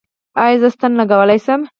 ایا زه ستنه لګولی شم؟